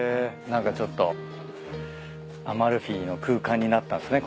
何かちょっとアマルフィの空間になったんすね